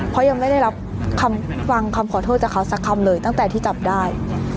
เพราะยังไม่ได้รับคำฟังคำขอโทษจากเขาสักคำเลยตั้งแต่ที่จับได้